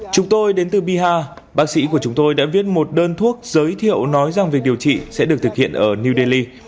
chúng tôi đến từ biha bác sĩ của chúng tôi đã viết một đơn thuốc giới thiệu nói rằng việc điều trị sẽ được thực hiện ở new delhi